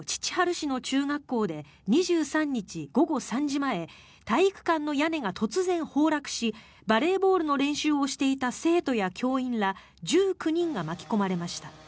市の中学校で２３日午後３時前体育館の屋根が突然崩落しバレーボールの練習をしていた生徒や教員ら１９人が巻き込まれました。